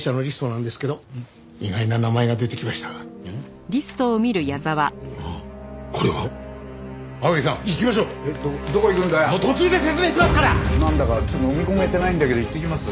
なんだかのみ込めてないんだけど行ってきます。